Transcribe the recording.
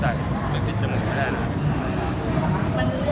สถานที่มันติดจมูกไม่ได้นะครับ